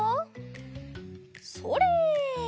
それ！